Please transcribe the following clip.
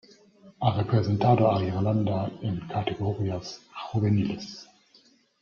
Ha representado a Irlanda en categorías juveniles.